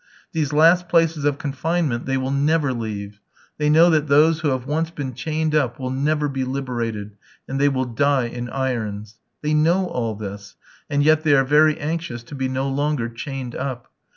These last places of confinement they will never leave; they know that those who have once been chained up will never be liberated, and they will die in irons. They know all this, and yet they are very anxious to be no longer chained up.